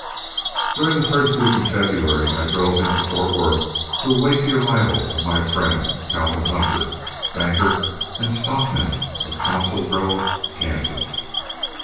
During the first week in February I drove in to Fort Worth to await the arrival of my friend, Calvin Hunter, banker and stockman of Council Grove, Kansas.